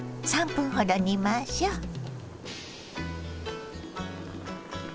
３分ほど煮ましょう。